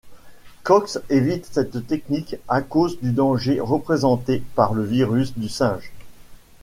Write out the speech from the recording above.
Cox évite cette technique à cause du danger représenté par le virus du singe.